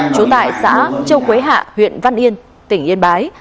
trú tại xã châu quế hạ huyện văn yên tỉnh yên bái